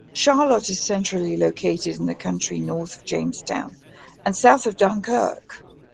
Charlotte is centrally located in the county, north of Jamestown and south of Dunkirk.